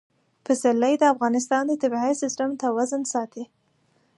پسرلی د افغانستان د طبعي سیسټم توازن ساتي.